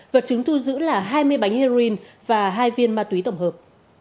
vật chứng thu giữ là hai mươi bánh heroin và hai viên ma túy tổng hợp